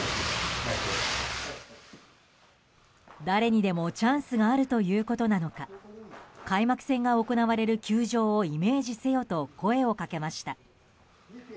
誰にでもチャンスがあるということなのか開幕戦が行われる球場をイメージせよと声をかけました。